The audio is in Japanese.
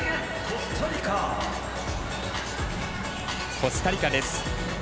コスタリカです。